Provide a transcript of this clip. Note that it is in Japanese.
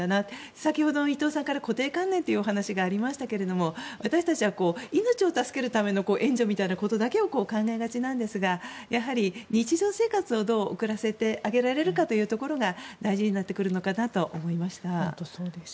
先ほど伊藤さんから固定観念というお話がありましたが私たちは命を助けるための援助みたいなことだけを考えがちなんですが、日常生活をどう送らせてあげられるかが大事なると思いました。